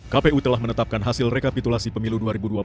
kpu telah menetapkan hasil rekapitulasi pemilu dua ribu dua puluh